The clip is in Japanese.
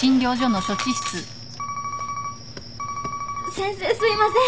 先生すいません。